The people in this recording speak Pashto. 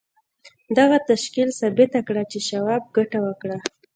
دغه تشکیل ثابته کړه چې شواب ګټه وکړه